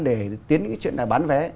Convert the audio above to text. để tiến những cái chuyện bán vé